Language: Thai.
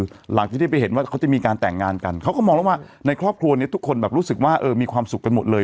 หลังจากที่ที่ไม่เห็นว่าเธอจะมีการแต่งงานกันเค้าก็มองแล้วว่าในครอบครัวทางรู้สึกว่าถึงว่ามีความสุขไปหมดเลย